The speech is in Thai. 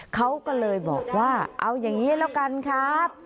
เขาก็เลยบอกว่าเอาอย่างนี้แล้วกันครับ